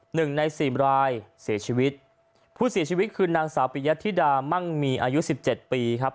หนึ่งในสี่รายเสียชีวิตผู้เสียชีวิตคือนางสาวปิยธิดามั่งมีอายุสิบเจ็ดปีครับ